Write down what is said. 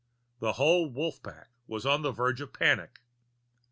The whole Wolf pack was on the verge of panic.